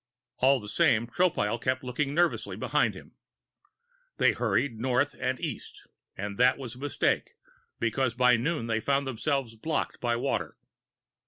All the same, Tropile kept looking nervously behind him. They hurried north and east, and that was a mistake, because by noon they found themselves blocked by water.